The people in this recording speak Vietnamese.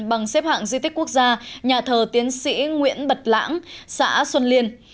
bằng xếp hạng di tích quốc gia nhà thờ tiến sĩ nguyễn bật lãng xã xuân liên